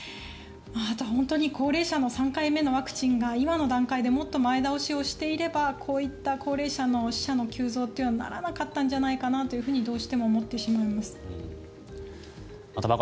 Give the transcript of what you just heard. あとは本当に高齢者の３回目のワクチンが今の段階でもっと前倒しをしていればこういった高齢者の死者の急増というのにはならなかったんじゃないかなとどうしても思ってしまいます。